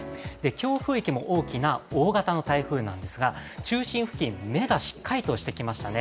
強風域も大きな大型の台風なんですが中心付近、目がしっかりとしてきましたね。